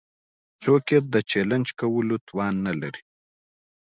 څوک يې د چلېنج کولو توان نه لري.